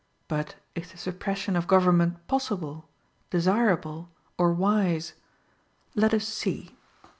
But is the suppression of government possible, desirable, or wise? Let us see.